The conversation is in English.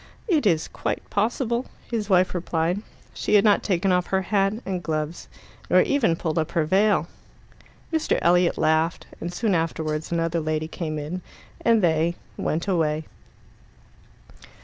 "It is quite possible," his wife replied. She had not taken off her hat and gloves, nor even pulled up her veil. Mr. Elliot laughed, and soon afterwards another lady came in, and they went away.